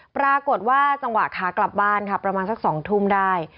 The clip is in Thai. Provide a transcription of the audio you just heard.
ปรากฏว่าจังหวะขากลับบ้านค่ะประมาณสัก๒ทุ่มได้